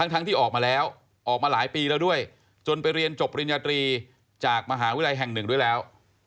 ทั้งที่ออกมาแล้วออกมาหลายปีแล้วด้วยจนไปเรียนจบปริญญาตรีจากมหาวิทยาลัยแห่งหนึ่งด้วยแล้ว